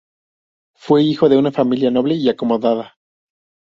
Fue hijo de una familia noble y acomodada.